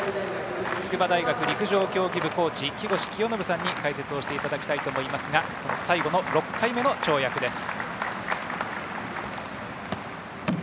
筑波大学陸上競技部コーチの木越清信さんに解説をしていただきたいと思いますが最後の６回目の跳躍です。